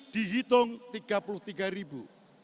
dihitung tiga puluh tiga ribu